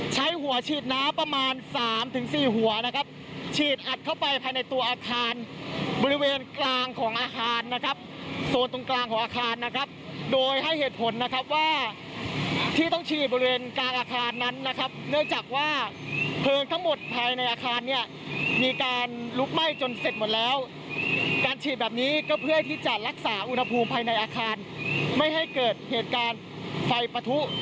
ใช้หัวฉีดน้ำประมาณสามถึงสี่หัวนะครับฉีดอัดเข้าไปภายในตัวอาคารบริเวณกลางของอาคารนะครับโซนตรงกลางของอาคารนะครับโดยให้เหตุผลนะครับว่าที่ต้องฉีดบริเวณกลางอาคารนั้นนะครับเนื่องจากว่าเพลิงทั้งหมดภายในอาคารเนี่ยมีการลุกไหม้จนเสร็จหมดแล้วการฉีดแบบนี้ก็เพื่อที่จะรักษาอุณหภูมิภายในอาคารไม่ให้เกิดเหตุการณ์ไฟปะทุ